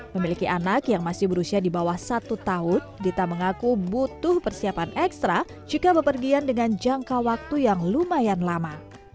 memiliki anak yang masih berusia di bawah satu tahun dita mengaku butuh persiapan ekstra jika bepergian dengan jangka waktu yang lumayan lama